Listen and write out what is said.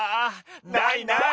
ないない。